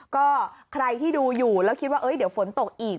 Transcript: ก็ใครที่ดูอยู่แล้วคิดว่าเดี๋ยวฝนตกอีก